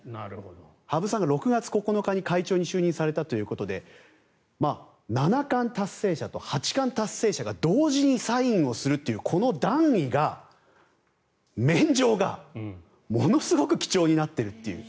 羽生さんが６月９日に会長に就任されたということで七冠達成者と八冠達成者が同時にサインするというこの段位が免状がものすごく貴重になってるという。